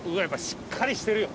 しっかりしてるよ。